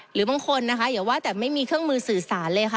หรือบางคนนะคะอย่าว่าแต่ไม่มีเครื่องมือสื่อสารเลยค่ะ